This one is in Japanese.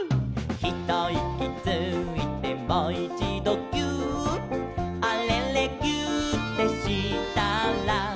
「ひといきついてもいちどぎゅーっ」「あれれぎゅーってしたら」